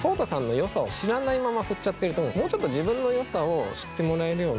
もうちょっと自分の良さを知ってもらえるような。